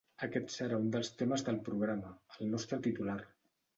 Aquest serà un dels temes del programa, el nostre titular.